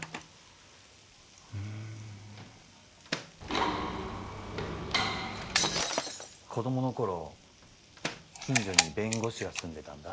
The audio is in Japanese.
うん子供の頃近所に弁護士が住んでたんだ